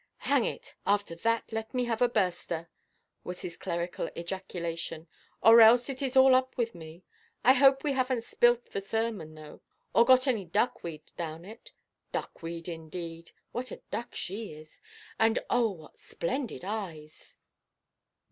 "Hang it! after that let me have a burster!" was his clerical ejaculation, "or else it is all up with me. I hope we havenʼt spilt the sermon, though, or got any duckweed down it. Duckweed, indeed; what a duck she is! And oh, what splendid eyes!"